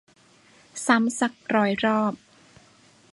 ซ้ำซักร้อยรอบ